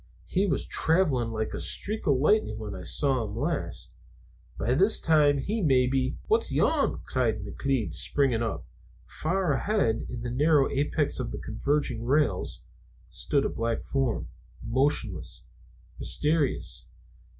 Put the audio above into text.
He was traveling like a streak of lightning when I last saw him. By this time he may be " "What's yon?" cried McLeod, springing up. Far ahead, in the narrow apex of the converging rails stood a black form, motionless, mysterious.